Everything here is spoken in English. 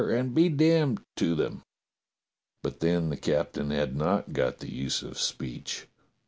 and be damned to 'em!" But then the captain had not got the use of speech.